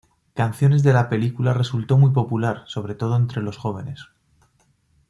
Canciones de la película resultó muy popular, sobre todo entre los jóvenes.